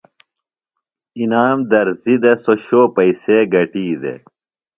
انعام درزی دےۡ۔ سوۡ شو پئیسے گٹی دےۡ۔